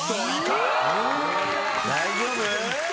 大丈夫？